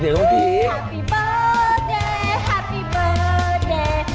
เสียงน้องพีค